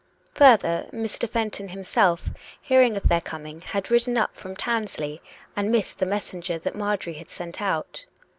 Further, Mr. Fenton himself, hearing of their coming, had ridden up from Tansley, and missed the mes senger that Marjorie had sent out.